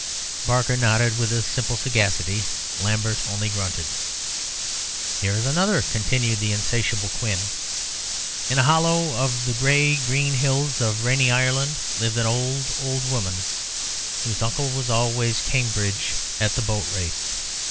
Barker nodded with a simple sagacity. Lambert only grunted. "Here is another," continued the insatiable Quin. "In a hollow of the grey green hills of rainy Ireland, lived an old, old woman, whose uncle was always Cambridge at the Boat Race.